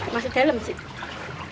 masuk ke dalam sih